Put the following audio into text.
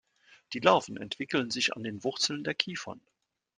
Die Larven entwickeln sich an den Wurzeln der Kiefern.